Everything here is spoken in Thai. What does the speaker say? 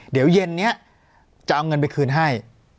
เดี๋ยวเย็นนี้จะเอาเงินไปคืนให้